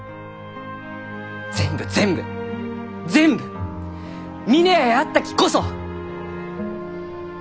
全部全部全部峰屋やったきこそ！